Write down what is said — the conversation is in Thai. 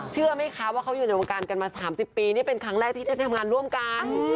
เชื่อไหมคะว่าเขาอยู่ในวงการกันมา๓๐ปีนี่เป็นครั้งแรกที่ได้ทำงานร่วมกัน